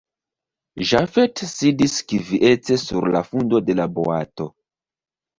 Jafet sidis kviete sur la fundo de la boato.